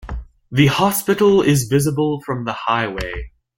The hospital is visible from the highway.